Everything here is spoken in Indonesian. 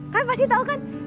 kan pasti tau kan